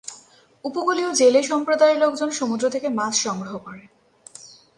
উপকূলীয় জেলে সম্প্রদায়ের লোকজন সমুদ্র থেকে মাছ সংগ্রহ করে।